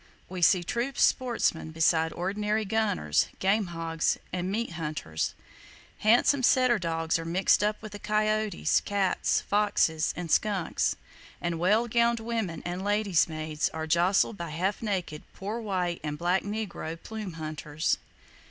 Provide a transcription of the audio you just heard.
We see true sportsmen beside ordinary gunners, game hogs and meat hunters; handsome setter dogs are mixed up with coyotes, cats, foxes and skunks; and well gowned women and ladies' maids are jostled by half naked "poor white" and black negro "plume hunters."